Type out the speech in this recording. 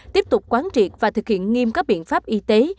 tiếp tục quán triệt và thực hiện nghiêm các biện pháp y tế